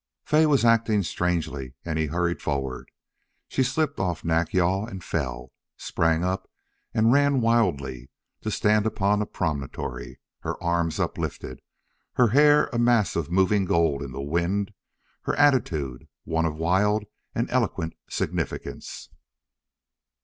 Fay was acting strangely and he hurried forward. She slipped off Nack yal and fell, sprang up and ran wildly, to stand upon a promontory, her arms uplifted, her hair a mass of moving gold in the wind, her attitude one of wild and eloquent significance.